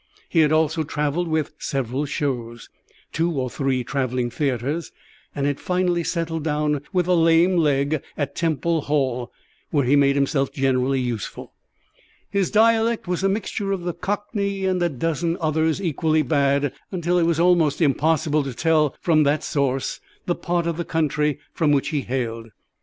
He had also travelled with several "shows," two or three travelling theatres, and had finally settled down with a lame leg at Temple Hall, where he made himself generally useful. His dialect was a mixture of the Cockney and a dozen others equally bad, until it was almost impossible to tell from that source the part of the country from which he hailed.